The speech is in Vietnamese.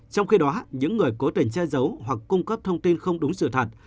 trong khi đó những người cố tình che giấu hoặc cung cấp thông tin không đúng sự thật